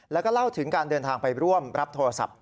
แล้วก็เล่าถึงการเดินทางไปร่วมรับโทรศัพท์